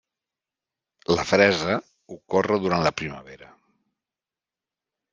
La fresa ocorre durant la primavera.